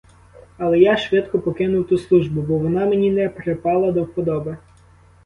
Але я швидко покинув ту службу, бо вона мені не припала до вподоби.